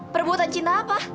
perbuatan cinta apa